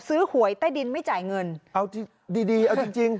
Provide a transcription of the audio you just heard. หวยใต้ดินไม่จ่ายเงินเอาจริงดีดีเอาจริงจริง